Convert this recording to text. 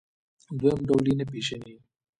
دویم ډول یې نه پېژني.